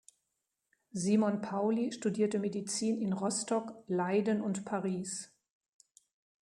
Simon Pauli studierte Medizin in Rostock, Leiden und Paris.